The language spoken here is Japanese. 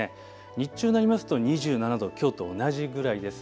日中になりますと２７度、きょうと同じぐらいです。